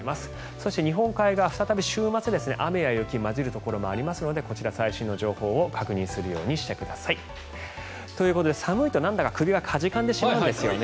そして、日本海側再び週末雨や雪が交じるところもありますのでこちら、最新の情報を確認するようにしてください。ということで寒いとなんだか首がかじかんでしまうんですよね。